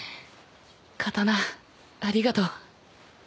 刀ありがとう。